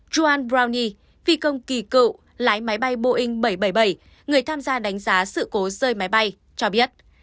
roan brounie phi công kỳ cựu lái máy bay boeing bảy trăm bảy mươi bảy người tham gia đánh giá sự cố rơi máy bay cho biết